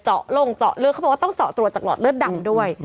ลงเจาะเลือดเขาบอกว่าต้องเจาะตรวจจากหลอดเลือดดำด้วย